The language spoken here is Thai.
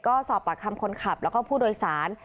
ก็สอบประคำคนขับและผู้โดยศาล